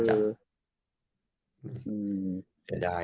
ใช่